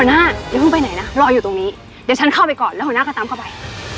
หัวหน้าอย่าเพิ่งไปไหนนะรออยู่ตรงนี้เดี๋ยวฉันเข้าไปก่อนแล้วหัวหน้าก็ตามเข้าไป